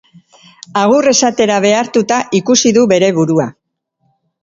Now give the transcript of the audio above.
Agur esatera behartuta ikusi du bere burua.